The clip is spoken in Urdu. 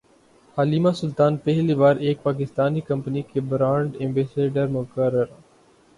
حلیمہ سلطان پہلی بار ایک پاکستانی کمپنی کی برانڈ ایمبیسڈر مقرر